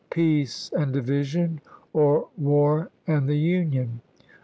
. Peace and divi l'afti5y sion, or war and the Union.